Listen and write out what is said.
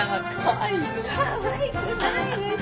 かわいくないです。